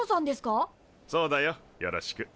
そうだよよろしく。